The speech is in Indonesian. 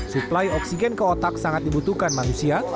suplai oksigen ke otak sangat dibutuhkan manusia